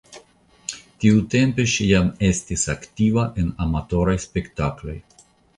Tiutempe ŝi jam estis aktiva en amatoraj spektakloj.